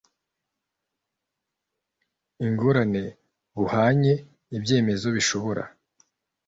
ingorane buhamye ibyemezo bishobora